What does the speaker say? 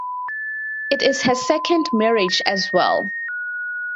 It is her second marriage as well.